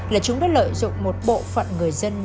là chúng đã lợi dụng một bộ phận người dân